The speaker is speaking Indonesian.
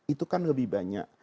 itu kan lebih banyak